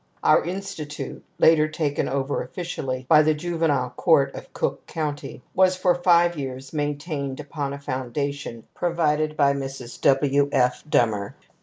Our institute, later taken over officially by the Juvenile Court of Cook County, was for five years maintained upon a foundation provided by Mrs. W. F. Dummer.